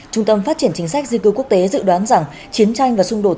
trung tâm phát triển chính sách di cư quốc tế dự đoán rằng chiến tranh và xung đột